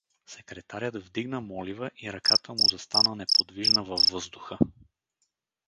Секретарят вдигна молива и ръката му застана неподвижна във въздуха.